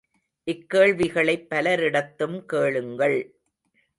இக்கேள்விகளைப் பலரிடத்தும் கேளுங்கள்.